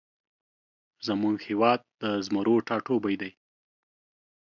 زمونږ هیواد د زمرو ټاټوبی دی